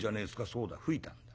「そうだ吹いたんだ。